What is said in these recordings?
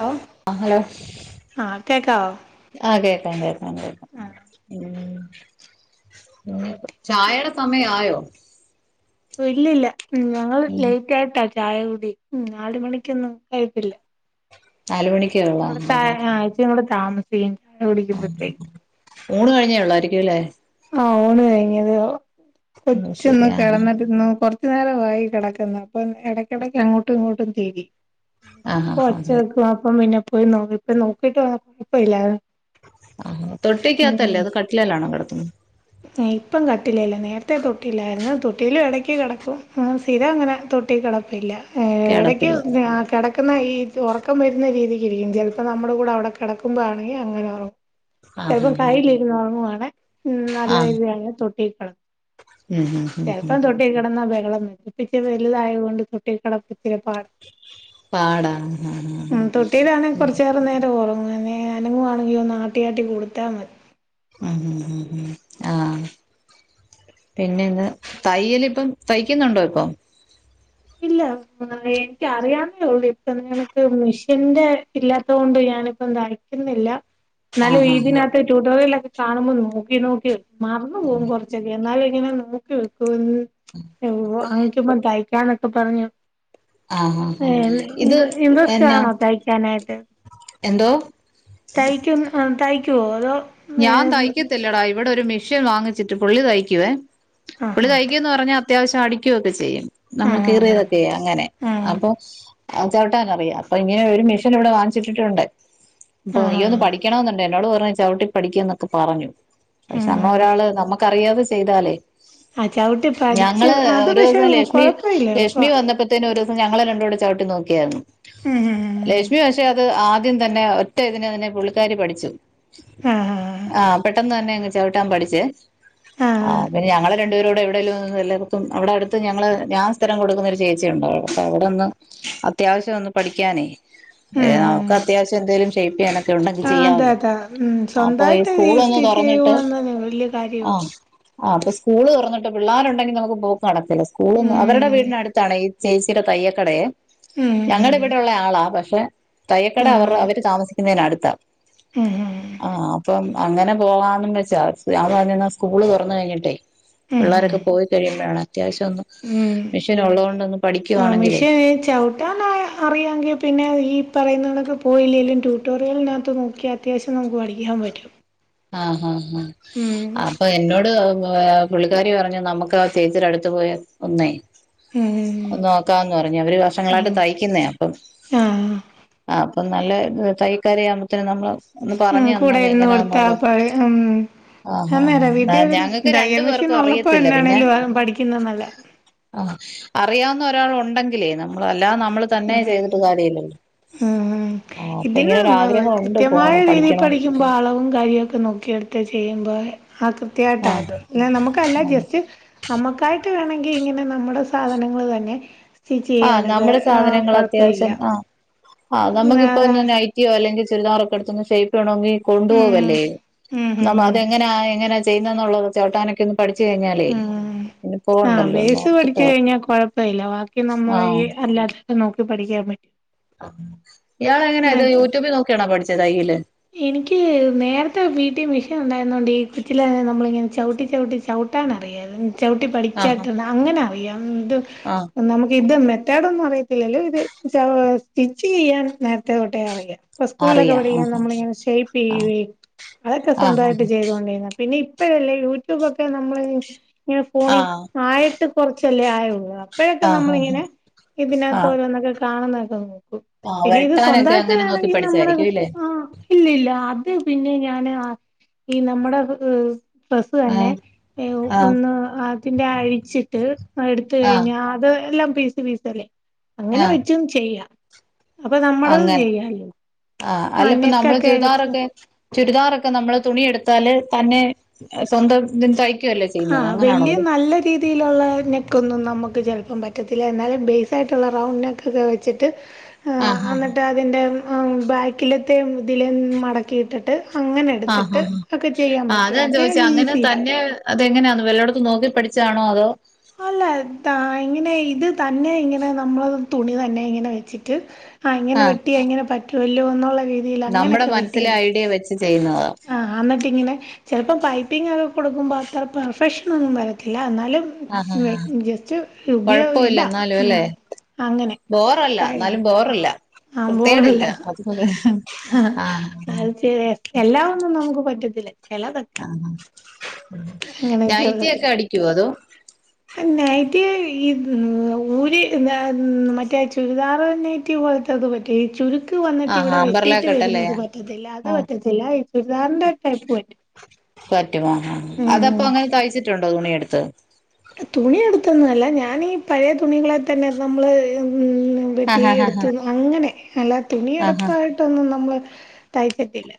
Hello ആഹലോ. ആഹ് കേക്കാവോ ആ കേക്കാം കേക്കാ കേക്കാം ആഹ് ചായേടെ സമയായോ? ഓ ഇല്ലില്ല ഞങ്ങള് ഉം ലേറ്റ് ആയിട്ടാ ചായകുടിം നാല് മണിക്കൊന്നും കഴിപ്പില്ല. നാല് മണിക്കേ ഉള്ളോ ആ ഇവിടെത [unintelligible] താമസിക്കും ടിക്കുമ്പോഴത്തേക്കും. ഊണ് കഴിഞ്ഞേള്ളായിരിക്കുംല്ലേ? ആ ഊണ് കഴിഞ്ഞതെഒള്ളു അത് കൊച്ചന്ന് ശരി ആ കിടന്നിട്ടിന്ന് കൊർ- നേരംമായി കിടക്കുന്ന അപ്പം ഇടയ്ക്കിടയ്ക്ക് അങ്ങോട്ടും ഇങ്ങോട്ടും തിരി. ആ ആ പ്പൊ ആ ഒച്ച വെക്കും അപ്പം പിന്നെ പോയിനോക്ക ഇപ്പ നോക്കിട്ട് വന്ന കൊഴപ്പമില്ല. തൊട്ടിക്കകത്തല്ലേ അതോ കട്ടിലേലാണോ കിടത്തുന്നത്. ഇപ്പം കട്ടിലില നേരത്തെ തൊട്ടില്ലായിരുന്നു തൊട്ടിയിലും ഇടക്ക് കിടക്കും ആ സ്ഥിരം അങ്ങനെ. തൊട്ടി കിടപ്പില്ല ഏ ഇടയ്ക്ക് കിടപ്പില്ല ആ കിട ക്കുന്ന ഈ ഒറക്കം വരുന്ന രീതിക്ക് ഇരിക്കും. ചെൽപ്പം നമ്മുടെ കൂടെ അവിടെ കെടക്കുമ്പോ ആണെങ്കി അങ്ങനെ ഉറ ആ ആ ചെലപ്പം കയ്യിലിര്ന്ന് ഉറങ്ങുവാണ് ഉ. ആ നല്ലരീതിയാണെ തൊട്ടികെടക്കും ഉം ഉം ഉം ഉം ചെലപ്പം തൊട്ടിക്കടന്നാ പ്പിച്ച വലുതായതുകൊണ്ട് തൊട്ടി കട പാടാ ആ [unintelligible] മ് തൊട്ടിയിലാണ് കുറച്ച് നേര നേരം ഒറു- ആന്നെ അനങ്ങുവാണെങ്കി ഒന്ന് ആട്ടിയാട്ടി കൊടുത്താ മതി. ഉ ഉ ആഹ്. പിന്നെന്ന് തയ്യല്പ്പം തയ്ക്കുന്നുണ്ടോ ഇപ്പൊ? ഇല്ല എൻക്ക് അറിയാന്നേള്ളൂ ഇപ്പൊ നികണക്ക് മിഷീന്റെ ഇല്ലാത്ത കൊണ്ട്. ഞാനിപ്പോ തയിക്കുന്നില്ല. ആ ന്നാലും ആ ആ ഇതിനകത്ത് ട്യൂട്ടോറിയലൊക്കെ കാണുമ്പോ നോക്കി നോക്കി മറന്നു പോകും കുറച്ചൊക്കെ എന്നാലും. ഇങ്ങനെ നോക്കിവക്കുവെന്നു അങ്ങിക്കുപ്പ തയ്ക്കാന്നൊക്കെ പറഞ്ഞു. ആ ആ ഏ ആ ഇൻഡ ഇത് എന്നാ ഇൻട്രസ്റ്റാണോ തയ്ക്കാനായിട്ട്? എന്തോ? തയ്ക്കും അ തയ്ക്കുവോ അതോ? ഞാതയ്ക്കത്തില്ലടാ ഇവിടെ ഒരു മിഷീൻ വാങ്ങിച്ചിട്ട് പുള്ളി തയ്ക്കുവേ. പുള്ളി ആഹ് തയ്കുന്ന് പറഞ്ഞാൽ അത്യാവശ്യം അടിക്കൊക്കെ ചെയ്യും. നമ്മൾ ആഹ് കേയറിയതൊക്കെയ അങ്ങനെ ആഹ് അപ്പൊ. അ ചവിട്ടാനറിയാ അപ്പൊ ഇങ്ങനെ ഒരു മെഷീൻ ഇവിടെ വാങ്ങിച്ചിട്ടിട്ടുണ്ട്. അപ്പൊ നീ ഒന്ന് ആഹ് പഠിക്കണോന്നുണ്ട് എന്നോട് പറഞ്ഞച്ച ചവിട്ടി. പഠിക്ക എന്നൊക്കെ പറഞ്ഞു പക്ഷെ ആഹ് നമ്മളൊരാള് നമുക്കറിയാവുന്ന ചെയ്താലേ. ആ ചവിട്ടി പഠിച്ച് ഞങ്ങള് അത് പക്ഷെ ഒരൂസം ലക്ഷ്മി കൊഴപ്പമില്ല ലക്ഷ്മി എളുപ്പ വന്നപ്പോത്തേന് ഒരു. ഞങ്ങളെ രണ്ടൂടെ ചവിട്ടി നോക്കിയരുന്നു ഉം ലക്ഷ്മി പക്ഷെ അത് ആദ ആദ്യം തന്നെ ഒറ്റയതിനെ തന്നെ പുള്ളിക്കാരി പഠിച്ചു മം ആഹ് പെട്ടെന്ന് തന്നെ അങ്ങ് ചവിട്ടാൻ പഠിച്ചേ ആ് ആഹ് പിന്ന ഞങ്ങളെ രണ്ടുപേരൂടെ എവിടെങ്കിലും എല്ലർത്തും അവിടെ അടുത്ത് ഞാങ്ങള് ഞാന് സ്ഥിരം കൊടുക്കുന്നൊരു ചേച്ചി ഉണ്ടാവും അവിടെന്ന് അത്യാവശ്യം ഒന്ന് പഠിക്കാനേ ഏ നമുക്ക് ഉം അത്യാവശ്യം എന്തേലും ഷേപ്പ് ചെയ്യാനൊക്കെ ഉണ്ടെങ്കി ആഹ് അതെ ചെയ്യാല്ലോ അതെ ഉം അപ്പൊ ഈ സ്വന്തായിട്ട് സ്കൂള് ഒന്ന് സ്റ്റിച്ച് തുറന്നിട്ട് ചെയ്യുന്നത് വലിയ കാര്യവാ ആഹ് ആ അപ്പൊ സ്കൂള് തുറഞ്ഞിട്ട് പിള്ളേരുണ്ടെങ്കിൽ നമുക്ക് പോക്ക് നടക്കില്ല സ്കൂള് നിന്ന് ഉം അവരുടെ വീടിനടുത്താണ് ഈ ചേച്ചിയുടെ തയ്യക്കടയെ ഉം ഞങ്ങളുടെ ഇവിടെ ഉള്ള ആളാ പക്ഷെ തയ്യക്കട അവർ ആഹ് അവര് താമസിക്കുന്നതിനന്ടുത്ത ഉം അപ്പം അങ്ങനെ പോവാന്നും വെച്ചാ ഞാൻ പറ സ്കൂള് തുറന്ന് കഴിഞ്ഞിട്ടേ ഉം പിള്ളേരൊക്കെ പോയി കഴിയുമ്പോഴാണ് അത്യാവശ്യം ഒന്നന്ന് മെഷീൻ ഉള്ളത് കൊണ്ടൊന്ന ആ മെഷീൻ ചവിട്ടാന അറിയാമെങ്കിൽ പിന്നെ ഈ പറയുന്നതൊക്കെ പോയില്ലെങ്കിലും ട്യൂട്ടോറിയലിനകത്ത് നോക്കി അത്യാവശ്യം നമുക്ക് പഠിക്കാൻ പറ്റും ആഹ് ആഹ് ആഹ് ഉം അപ്പൊ എന്നോട് പുള്ളിക്കാരി പറഞ്ഞു നമുക്ക് ആ ചേചിയുടെ അടുത്ത് പോയി ഒന്നേ ഉം നോക്കാന്ന് പറഞ്ഞു അവര് വർഷങ്ങളായിട്ട് ഉം തയ്ക്കുന്നേ അപ്പം ആഹ് ആ അപ്പൊ നല്ല തൈക്കാരി ആവുമ്പോത്തിന് നമ്മള് ഒന്ന് ഉം പറഞ്ഞ് കൂടെ തന്നാലേ ഇരുന്ന് കൊടുത്ത ആ എങ്ങനെയാന്നുള്ളത് പഴയ ഉം അന്നേരാ വീട്ടി ആഹ് ഒരു ഞങ്ങക്ക് തയൽ രണ്ടു മെഷീൻ പേർക്കും ഉള്ളപ്പോ അറിയത്തില്ല എന്നാണേലും പഠിക്കുന്നന്നല്ല ആ അറിയാവുന്ന ഒരാൾ ഉണ്ടെങ്കിലേ നമ്മൾ അല്ലാതെ നമ്മൾ തന്നെ ഉം ചെയ്തിട്ട് കാര്യല്ലല്ലോ ഉം ഉ ഇതിന ഉണ്ട് കൃത്യമായ പോണം രീതിയിൽ പഠിക്കണോന്ന് പഠിക്കുമ്പോ അളവും കാര്യവും ഒക്കെ നോക്ക ക്കിക്കെടുത്ത് ചെയ്യുമ്പോൾ ആ കൃത്യായിട്ട് ആഹ് അത് നമുക്കല്ല ജസ്റ്റ് നമുക്കായിട്ട് വേണമെങ്കിൽ ഇങ്ങനെ നമ്മുടെ സാധനങ്ങൾ തന്നെ സ്റ്റിച്ച് ആഹ് ചെയ്യാനൊക്കെ നമ്മുടെ ആ സാധനങ്ങൾ കൊഴപ്പമില്ല അത്യാവശ്യം ആ ആഹ് നമുക്കിപ്പൊ അതാ ഒന്ന് നൈറ്റിയോ അല്ലെങ്കി ചുരിദാറൊക്കെ എടുത്ത്ഒന്ന് ഷേപ്പ് ചെയ്യേണെങ്കിൽ കൊണ്ടു ഉം പോകല്ലേ ഉം ഉം ഉം നതെങ്ങനെ എങ്ങനാ ചെയ്യുന്നുള്ള ചവിട്ടാനൊക്കെ പഠിച്ചു കഴിഞ്ഞാലേ ഉ പിന്നെ ആ പോവണ്ടല്ലോ ഒന്ന് ബേസ് പഠിച്ച ഓർത്തിട്ടാ കഴിഞ്ഞാ കൊഴപ്പല്ല ബാക്കി നമ്മ ആഹ് അല്ലാത്തെ നോക്കി പഠിക്കാൻ പറ്റും ഇയാൾ എങ്ങനെയത് യൂട്യൂബിൽ നോക്കിയാണാ പഠിച്ചത് കയ്യില് എനിക്ക് നേരത്തെ വീട്ടി മെഷീൻ ഉണ്ടായി ുകൊണ്ട് ഈ കൊച്ചില നമ്മളിങ്ങനെ ചവിട്ടി ചവിട്ടി ചവിട്ടാണറിയാർന്നു ചവിട്ടി ആഹ് പഠിച്ചായിട്ടുണ്ട് അങ്ങനെ അറിയാം ഇത് ആഹ് നമുക്ക് ഇത് മെത്തേടൊന്നും അറിയ ല്ലോ ഇത് സ്റ്റിച്ച് ചെയ്യാൻ നേരത്തെ തൊട്ടെ അറിയാം ഇപ്പൊ സ്കൂളിലൊക്കെ അറിയാം പഠിക്കൻ ആഹ് നമ്മളിങ്ങനെ ഷേയ്യിപ്പ ആഹ് ചെയ്യയും അതൊക്കെ ആഹ് സ്വന്തമായിട്ട് ചെയ്തുകൊണ്ടിരുന്ന പിന്നെ ഇ പ്പോഴല്ലേ യൂട്യൂബൊക്കെ നമ്മൾ ഇങ്ങനെ ഫോണിൽ ആഹ് ആയിട്ട് കുറച്ചല്ലേ ആയുള്ളൂ ഇപ്പോഴൊക്കെ ആഹ് ആഹ് നമ്മളിങ്ങനെ ഇതിനകത്ത് ആഹ് ഓരോന്നൊക്കെ കാണുന്നതൊക്കെ നും ആഹ് പിന്നെ ഇത് വെട്ടാനൊക്കെ സ്വന്തമായിട്ട് അങ്ങനെ നോക്കി വേണമെങ്കിൽ നമ്മുടെ പഠിച്ചായിരിക്കും ഇല്ലേ ആ ഇല്ലല്ല അത് പിന്നെ ഞാന് നമ്മടെ ഡ്രസ്സ്‌ തന്നെ ആഹ് ആഹ് ഒന്ന് അതിന്റെ അഴിച്ചിട്ട് എടുത്ത ആഹ് കഴിഞ്ഞ അത് എല്ലാം പീസ് പീസ്ല്ലേ അങ്ങനെ ആഹ് വെച്ചും ചെയ്യാം നമ്മുടെതു ചെയ്യാല്ലോ ആഹ അല്ല ഇപ്പ നമ്മള് ചുരിദാറൊക്കെ ചുരിദാറൊക്കെ നമ്മള് തുണി എടുത്താല് തന്നെ സ്വന്തം ഇ ആഹ വല്യ നല്ല രീതിയിലുള്ള നെക്കൊന്നും ന നമുക്ക് ചിലപ്പം പറ്റത്തില്ല എന്നാലും ബേസ്സായിട്ടുള്ള റൗണ്ട് നെക്കൊക്കെ ഒക്കെ വെച്ചിട്ട് ആ ആഹ് എന്നിട്ട് അതിന്റെ ബാക്കിലത്തെയ ഇതില മടക്കിയിട്ടിട്ട് അങ്ങനെ ആഹ് ആഹ് എടുത്തിട്ട് ആഹ് ആഹ് ഒക്കെ ചെയ്യാൻ പറ്റോ അതത് ഈസിയാ എങ്ങനെന്ന് വല്ലോടതും നോക്കി പഠിച്ചാണോ അതോ എത്താ ഇങ്ങനെ ഇത് തന്നെ ഇങ്ങനെ നമ്മൾ തുണി തന്നെ ഇങ്ങനെ വെച്ചിട്ട് ആഹ്ങ്ങെ ആഹ് വെട്ടി അങ്ങനെ പറ്റുവല്ലോ എന്നുള്ള രീതിയിൽ നമ്മുടെ അങ്ങനെയൊക്കെ മനസ്സിലെ വെട്ടിയെടുക്കണം ഐഡിയ വെച്ച് ചെയ്യുന്നതാ ആഹ എന്നിട്ട് ഇങ്ങനെ ചിലപ്പോം പൈപ്പിംഗ ഒക്കെ കൊടുക്കുമ്പോ അത്ര പെർഫെക്ഷൻ ഒന്നും വരത്തില്ല എന്നാ ആഹ് ആഹ് ജസ്റ്റ് രപ [unintelligible] യ ഇട കൊഴപ്പവില്ല എന്നാലും അല്ലേ അങ്ങനെ ബോറല്ല ക എന്നാലും ആ ബോറല്ല ആ വൃത്തികേടില്ല ബോറല്ല അത് ആ ആഹ് ആഹ് അത് തീരെ എറക്കല്ല അതൊന്നും നമുക്ക് പറ്റത്തില്ലേ ആ ന അങ്ങനെ [inaudible] നൈറ്റി ചെറുതൊക്കെ ഒക്കെ അടിക്കുവോ അതോ നെറ്റി ഇത് ഏ ഊര് ന്താ മറ്റേ ചുരിദാർ നെറ്റി പോലോതൊക്കെ പറ്റും ഈ ചുരു വന്നിട്ട് ആഹ് ഇവിടെ ഹാമ്പർല വെട്ടിട്ട് കെട്ടല്ലേ വരുന്നത് പറ്റത്തില്ല അത് ആഹ് പറ്റത്തില്ല ഈ ചുരിദാറിൻന്റെ ടൈപ്പ് പറ്റും പറ്റുമോ അതപ്പോ അങ്ങനെ തയ്ച്ചിട്ടുണ്ടോ തുണിയെടുത്ത് തുണിയടുത്തൊന്ന അല്ല ഞാനീ പഴയ തുണികളെ തന്നെ പ്പം മ്മള് ഉം പെറ്റി ആഹ് ആഹ് ആഹ് എടുത്ത് അങ്ങനെ അല്ല തുണിയ ആഹ് എടുത്തായിട്ടൊന്നും നമ്മൾ തൈക്കത്തില്ല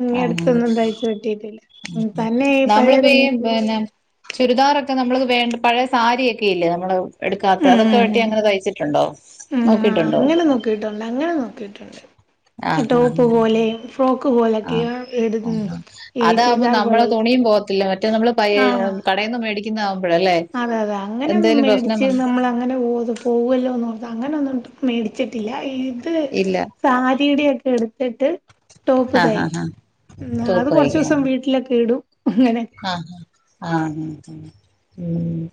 ഉ ആഹ് അടുത്തൊന്നും തയ്ച്ചു പറ്റിട്ടില്ല ഉ തന്നെ ഈ പഴയ നമ്മളിപ്പോ തമ ഈ പിന്നെ ചുരിദാറൊക്കെ നമ്മൾക്ക് വേണ്ട പഴയ സാരിയൊക്കെ ഇല്ലേ നമ്മള് എടുക്കാത്ത അതൊക്കെ വെട്ടി അങ്ങനെ തയ്ച്ചിട്ടുണ്ടോ ഉ നോക്കിട്ടുണ്ടോ അങ്ങനെ നോക്കിയിട്ടുണ്ട് അങ്ങനെ നോക്കിട്ടുണ്ട് ആഹ് ടോപ്പ് പോലെയും ഫ്രോക്ക് അല്ല ആഹ് ആഹ് ഈ ചുരിദാർ പോലെ ഇടുന്നത് മ റ്റേനമ്മള് പയ കടയിൽ നിന്ന് മേടിക്കുന്നതാ അതെ അതെ അങ്ങനെന്നും മേടിച്ച് വന്ന് നമ്മൾ അങ്ങനെ ഒത് പോത് പോകല്ലോന്ന് അങ്ങനെ ഒന്നും മേടിച്ചിട്ടില്ല ഇത് ഇല്ല സാരിയുടെൊക്കെ എടുത്തിട്ട് ടോപ്പ് ആഹ് തയ്ക്കും ആഹ് ആഹ് അത് ടോപ്പ് കൊറച്ചു തയ്ക്കാൻ ദിവസം വീട്ടിലൊക്കെ ഇടും അങ്ങനെയൊക്കെ ആഹ് ആഹ ഉ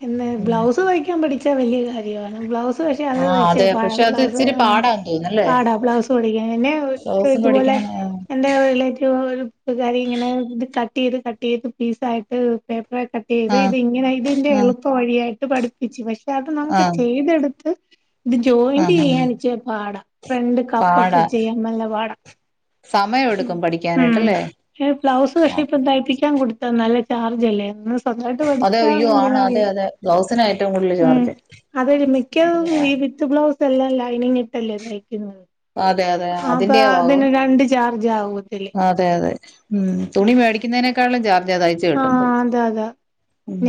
പിന്നെ ബ്ലൗസ് തയിക്കാൻ പഠിച്ചാ വലിയ കാര്യമാണ് ബ്ലൗ അത് പക്ഷേ ആഹ് ഇച്ചിരി അതെ പാടാ പക്ഷെ അത് ബ്ലൗസ് സ് ഇച്ചിരി പാടാന്ന് തോന്നുന്നല്ലേ ബ്ലൗസ് പഠിക്കാൻ പാടാ പിന്നെ റോസ് ഇതുപോലെ പഠിക്കണം എന്റെ റിലേറ്റീവ് ഒരു കുട്ടുകാരി ഇങ്ങനെ ഇത് കട്ട് കട്ട്ചെയ്ത് കട്ട് ചെയ്ത് പീസായിട്ട് പേപ്പർ കട്ട് ചെയ്ത് ആഹ് ഇത് ഇങ്ങനെ ഇതിന്റെ ആഹ് എളുപ്പ വഴി വഴിയ ചെറുതായിട്ട് പഠിപ്പിച്ചു പക്ഷെ അത് നമുക്ക് ആഹ് ചെയ്തെടുത്ത് ഇത് ജോയിന്റ് ആഹ് ആഹ് ചെയ്യണച്ച പാടാ ഫ്രണ്ട് കപ്പൊക്കെ പാടാ ചെയ്യാൻ നല്ല പാടാം സമയം എടുക്കും ഉം പഠിക്കാനായിട്ടല്ലേ ബ്ലൗസ് ക്ഷെ പ്പൊ തഴപ്പിക്കാൻ കൊടു നല്ല ചാർജ് അല്ലേ ഒന്ന് സ്വന്തമായിട്ട് അതെ പഠിച്ചാ അയ്യോ ആണ് അതെ അതെ ബ്ലൗസിനാ ഏറ്റവും കൂടുതൽ ഉ ചാർജ് അതു മിക്ക വിത്ത് ബൗ എല്ലാം ലൈനിങ് ഇട്ടല്ലേ തയ്ക്കുന്നത് അതെ അതെ അപ്പൊ അതി അതിന്റെയാവും രണ്ട് ചാർജ് ആവുത്തില്ലേ അതെ അതെ ഉം തുണി മേടിക്കുന്നതിനേക്കാളും ചാർജാ തയ്ച്ച് ആ കിട്ടുമ്പോ അതെ അതെ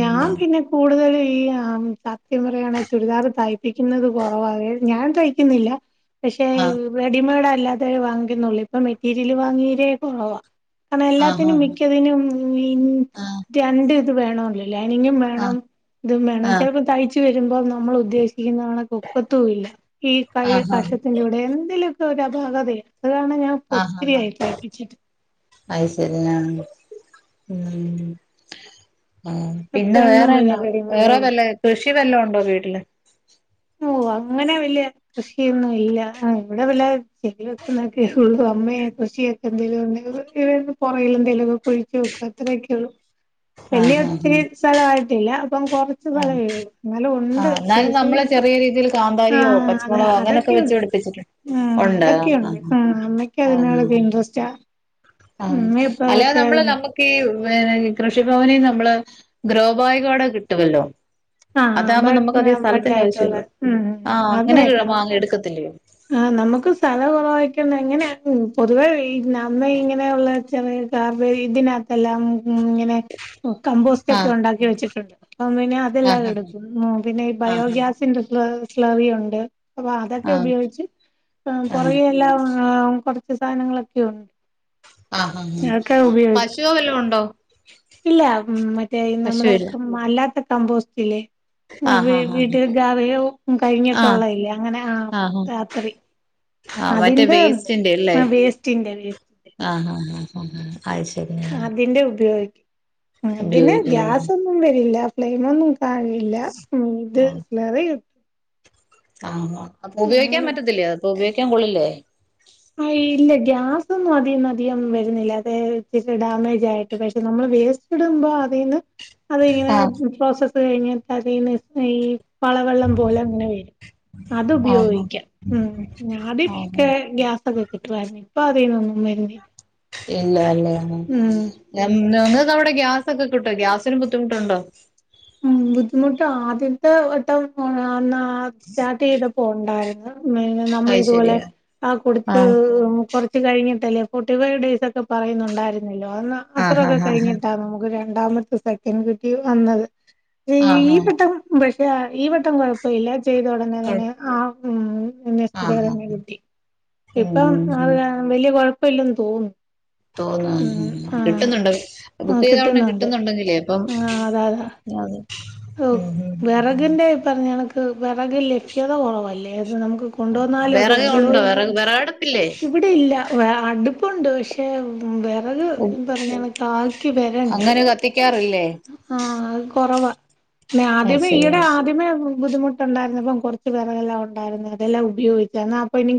ഞാൻ പിന്നെ കൂടുതൽ ഈ അത്ആ സത്യം പറയാണ് ചുരിദാർ തയ്പ്പിക്കുന്നത് കൊറവാ അത് ഞാൻ തയ്ക്കുന്നില്ല പക്ഷേ ആഹ് റെഡിമെയ്ഡ് അല്ലാതെ വാങ്ങിക്കുന്നുള്ളു ഇപ്പൊ മെറ്റീരിയല് വാങ്ങിയീരേ കുറവാ കാരണം ആഹ് എല്ലാത്തിനും മിക്കതിനും ആഹ് രണ്ട് ഇത് വേണല്ലോ ലയിനി ഗും വേണം ആഹ് ഇതും വേണം ആഹ് ചിലപ്പോ തയ്ച്ചു വരുമ്പോ നമ്മൾ ഉദ്ദേശിക്കുന്ന കണക്ക് ഒക്കത്തും ഇല്ല ഈ ആഹ് ആഹ് ആഹ് കഷത്തിന്റെ ഇവിടെ എന്തെലും ഒരുഅപാകതയ അത്ുക ഞാൻ ആഹ് ആഹ് ഒത്തിരിയായി പപ്പിച്ചിട്ട് അത് ശരി ആഹ് ഉം പിന്നെ എപ്പോഴൊന്നും വില വേറെന്നാഉള്ള റെഡിമെയ്ഡ് വേറെ വല്ല എടുക്കും കൃഷി വല്ലണ്ടോ വീട്ടില് ഓ അങ്ങനെ വലിയ കൃഷിയൊന്നും ഇല്ല ഇവിടെ വല്ല ചെടിവെക്കുന്നൊക്കെ ഉള്ളു അമ്മയെ കൃഷിയൊക്കെ എന്തെലും പുറെ കിഎന്തെേലുമ ഒക്കെ കുഴിച്ച് വയ്ക്കു അത്രയൊക്കെ ഉള്ളൂ ആഹ് വലിയ ആഹ് ഒത്തിരി സ്ഥലമായിട്ടില്ല ഇപ്പം കൊറച്ച് ആഹ് സ്ഥലമേ ആഹ് ഉള്ളു എന്നാലു ഉണ്ട് ആഹ് എന്നാലും അത്യാവശ്യം നമ്മള് ചെറിയ രീതിയിൽ ആ കാന്താരിയോ അതെ പച്ചമുളകോള അങ്ങനെയൊക്കെ വെച്ച് അതൊക്കെയുണ്ട് ഉം പടിപ്പിച്ചിട്ടുണ്ടോ ഉണ്ട് ആ അതൊക്കെയുണ്ട് അമ്മയ്ക്ക് ആ ആ അതിനോടൊക്കെ ഇൻട്രസ്റ്റാ ആഹ ഉമ്മ ഇപ്പൊ അല്ലെ അതൊക്കെ നമ്മള് നമ്മുക്ക് ഈ വേറേ കൃഷിഭവനിന്ന് നമ്മള് ഗ്രോ ബായ്കോടെ കിട്ടുമല്ലോ ആ അതാകുമ്പോ ബഡ് നമുക്ക് അധികം സ്ഥലത്തിന്റെ ബഡായിട്ടുള്ള ആവശ്യമില്ല ഉം ആഹ് അത് അങ്ങനെ നേരാ കീഴ്പോങ് എടുക്കത്തിലെ ആഹ് നമുക്ക് സ്ഥലം കുറവായിക്കണ്ട എങ്ങനെയ പൊതുവേ നമ്മ ഇങ്ങനെയുള്ള ചെറിയ കാർ ഇതിനകത്തെല്ലാം ഉ ഇങ്ങനെ കമ്പോസ്റ്റ് ഒക്കെ ആഹ് ഉണ്ടാക്കി വെച്ചിട്ടുണ്ട് അപ്പ പിന്നെ അതെല്ലാം ആഹ് എടുക്കും പിന്നെ ഈ ആഹ് ആഹ് ബയോഗ്യാസിന്റെ സ് സ്ലറിയുണ്ട് അപ്പൊ അതൊക്കെ ആഹ് ഉപയോഗിച്ച് ആഹ് ആഹ് കുയെ എല്ലാം ആ കൊറച്ച് സാധനങ്ങളൊക്കെ ഉണ്ട് ആഹാ ആ അതൊക്കെ ഉപയോഗിക്കും പശുവോ വല്ലോ ഉണ്ടോ ഇല്ല മറ്റേ നമ്മുടെ പശുവില്ല മല്ലാത്ത കമ്പോസ്റ്റില്ലേ ആഹ് ആഹ് വീട്ടിൽ ഗറി യോ ആഹ് കഴിഞ്ഞിട്ടുള്ള ഇല്ലേ അങ്ങനെ ആ രാത്രി ആഹ മറ്റേ അതിന്റെ വേസ്റ്റിന്റെ അല്ലേ ആ വേസ്റ്റിന്റെ വേസ്റ്റിന്റെ ആഹ ആഹ് ആ ആയി ശരി അതിന്റെ ഉപയോഗിക്കും അതിന് ഉപയോഗിക്കുന്നു ഗ്യാസ്ഒന്നും വരില്ല ഫ്ലെയിം ഒന്നും കഴല്ല ഇത് സളറി കിട്ടു ആഹ അപ്പൊ ഉപയോഗിക്കാൻ അങ്ങനെ പറ്റത്തില്ലേ അപ്പൊ ഉപയോഗിക്കാൻ കൊള്ളില്ലേ ആ ഇല്ല ഗ്യാസൊന്നും അധികം അധികം വരുന്നില്ല അത ഇി ഡാമേജ്ആയിട്ട് പക്ഷെ നമ്മൾ വേസ്റ്റ്‌ ഇടുമ്പോൾ അതിന് അത് ഇങ്ങനെ ആഹ് പ്രോസസ് കഴിഞ്ഞ് അതീന്ന് സേയി പളവെള്ളം പോലെ അങ്ങനെ വേരും അത് ആഹ് ഉപയോഗിക്കാം ഉം ആഹ് ആദ്യക്കെ ഗ്യാസ് അതൊക്കെ കിട്ടുവായിരുന്നു ഇപ്പൊ അതിന്നൊന്നുംവരൂലാ ഇല്ലാ അല്ല മ് ഞ ഞങ്ങക്കവിടെ ഗ്യാസ് ഒക്കെ കിട്ടോ ഗ്യാസിന് ബുദ്ധിമുട്ടുണ്ടോ ഉം ബുദ്ധിമുട്ട് ആദ്യത്തെ വട്ടം അന്നാ സ്റ്റാർട്ട് ചെയ്തപ്പോ ഉണ്ടായിരുന്നു മെ നമ്മള അത് ഇതുപോലെ ശരിയാ ആ കൊടുത്ത് ആഹ് കൊറച്ച് കഴിഞ്ഞിട്ടല്ലേ ഫോർട്ടി ഫൈവ് ഡേയ്സ് ഒക്കെ പറയുന്നുണ്ടായിരുന്നല്ലോ അന്ന് ആഹ് അത്രമൊക്കെ ആഹ് ആഹ് കഴിഞ്ഞിട്ടാ നമുക്കൊ രണ്ടാമത്തെ സെക്കൻഡ് കുട്ടി വന്നത് ആഹ് ഈ ആഹ് വെട്ടം ഈ വട്ടം കുഴപ്പമില്ലാ ചെയ്ത ഉടനെ കൊഴ തന്നെ ആ ഉം ആഹ് [unintelligible] ഉം ഇപ്പം ഉം ആ വല്ല്യ കുഴപ്പ ഇല്ലെന്ന് തോന്നുന്നു ഉം തോന്നും ആഹ് കിട്ടുന്നുണ്ട് ആഹ് ബുക്ക് ചെയ്തോ കിട്ടുന്നുണ്ട് കിട്ടുന്നുണ്ടെങ്കിലേ അപ്പം അതേ ഓ വെറകിന്റെ പറഞ്ഞ കണക്ക് വെറക് ലഭ്യത കൊറവല്ലേ അത് നമുക്ക് ഉം കൊണ്ടുവന്നാലും അത് വിറക് ഉണ്ടോ ഉപയോഗിക്കും വിറക് വിറകടുപ്പില്ലേ ഇവിടെല്ല ഇപ്പുണ്ട് പക്ഷെ വിറക് പറഞ്ഞ കക്ക്ി വരണ്ടേ അങ്ങനെ കത്തിക്കാറില്ലേ ആഹ കൊറവാ അത് ആദ്യമേ ഈയിടെ ശരിയാണ് ആദ്യമേ ബുദ്ധിമുട്ടുണ്ടരുന്ന അപ്പം കൊറച്ച് പേറെല്ലാം ഉണ്ടായിരുന്നു അതെല്ലാം ഉപയോഗിച്ച എന്നാ അ